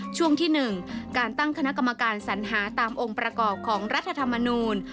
ช่วงที่๑การตั้งคณะกรรมการสัญหาตามองค์ประกอบของรัฐธรรมนูล